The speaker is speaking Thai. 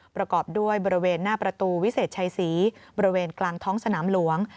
ประกอบด้วยบริเวณหน้าประตูวิเศษชัยศรีบริเวณกลางท้องสนามหลวง